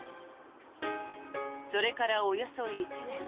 それからおよそ１年。